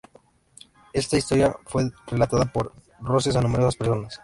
Esta historia fue relatada por Roses a numerosas personas.